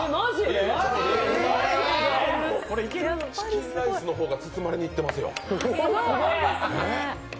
チキンライスの方が包まれにいってますよ。